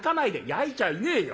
「やいちゃいねえよ